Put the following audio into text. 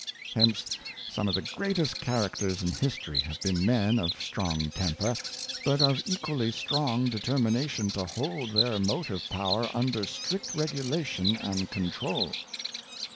Hence some of the greatest characters in history have been men of strong temper, but of equally strong deter mination to hold their motive power under strict regu lation and control.